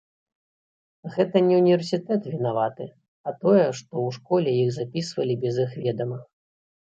Гэта не ўніверсітэт вінаваты, а тое, што ў школе іх запісвалі без іх ведама.